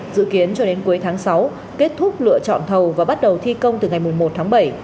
dự kiến cho đến cuối tháng sáu kết thúc lựa chọn thầu và bắt đầu thi công từ ngày một tháng bảy